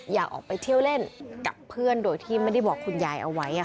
อยากออกไปเที่ยวเล่นกับเพื่อนโดยที่ไม่ได้บอกคุณยายเอาไว้